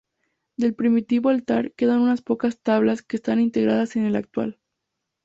Del primitivo altar quedan unas pocas tablas que están integradas en el actual.